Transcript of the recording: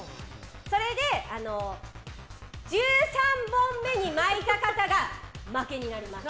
それで、１３本目に巻いた方が負けになります。